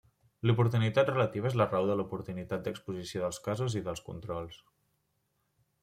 L'oportunitat relativa és la raó de l'oportunitat d'exposició dels casos i dels controls.